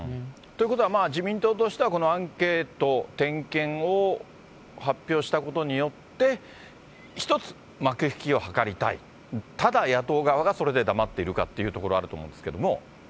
ということは、自民党としてはこのアンケート、点検を発表したことによって、一つ、幕引きを図りたい、ただ野党側がそれで黙っているかってところあると思うんですけど。